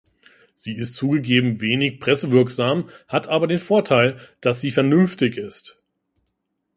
Sie ist zugegeben wenig pressewirksam, hat aber den Vorteil, dass sie vernünftig ist.